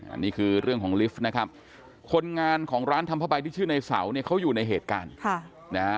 อันนี้คือเรื่องของลิฟต์นะครับคนงานของร้านทำผ้าใบที่ชื่อในเสาเนี่ยเขาอยู่ในเหตุการณ์ค่ะนะฮะ